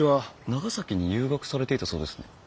長崎に遊学されていたそうですね。